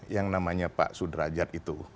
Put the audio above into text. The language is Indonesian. yang namanya pak sudrajat itu